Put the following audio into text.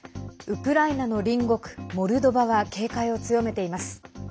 ウクライナの隣国モルドバは警戒を強めています。